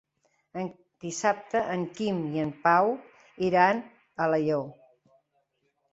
Dissabte en Quim i en Pau iran a Alaior.